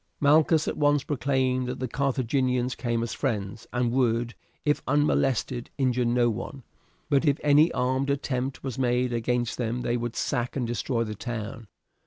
Malchus at once proclaimed that the Carthaginians came as friends, and would, if, unmolested, injure no one; but if any armed attempt was made against them they would sack and destroy the town.